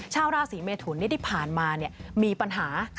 ชาวราศีเมทุนที่ผ่านมามีปัญหา